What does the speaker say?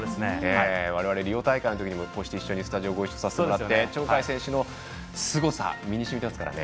われわれ、リオ大会のときにもスタジオでご一緒させてもらって鳥海選手のすごさ身にしみていますからね。